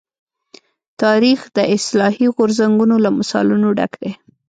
تاریخ د اصلاحي غورځنګونو له مثالونو ډک دی.